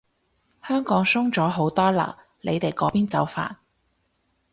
香港鬆咗好多嘞，你哋嗰邊就煩